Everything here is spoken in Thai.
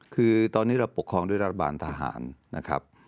คือตอนนี้เราปกครองด้วยรัฐบาลทหารนะครับ